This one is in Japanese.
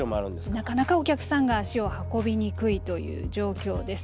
なかなかお客さんが足を運びにくいという状況です。